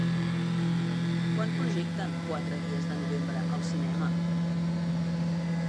Quan projecten Quatre dies de novembre al cinema?